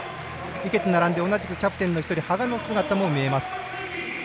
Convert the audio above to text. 池と並んで同じくキャプテンの１人羽賀の姿も見えます。